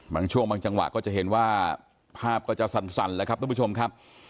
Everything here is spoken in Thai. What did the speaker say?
บางช่วงบางจังหวะก็จะเห็นว่าภาพก็จะสั่นแล้วครับทุกผู้ชมครับ